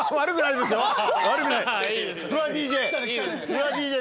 フワＤＪ。